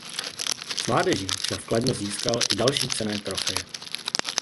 S mládeží však v Kladně získal i další cenné trofeje.